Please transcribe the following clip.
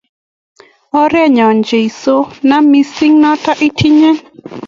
Ogerro nyone Jesu, nam mising’ noto itinye